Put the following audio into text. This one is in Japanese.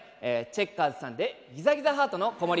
チェッカーズさんで「ギザギザハートの子守唄」。